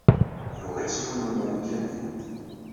Yuɣ-itt yiwen n Umarikani.